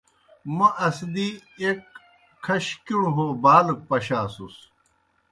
موْ اسدی ایْک کھش کِݨوْ ہو بالک پشاسُس۔